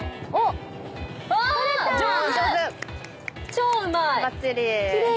超うまい！